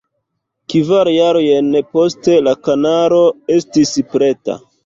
Kvar jarojn poste la kanalo estis preta.